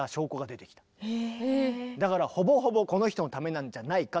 だからほぼほぼこの人のためなんじゃないかと。